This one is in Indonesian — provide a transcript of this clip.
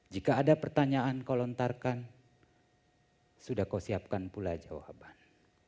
jika ada pertanyaan kau lontarkan sudah kau siapkan pula jawaban